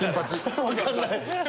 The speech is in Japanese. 分かんない。